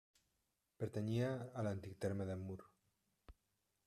Pertanyia a l'antic terme de Mur.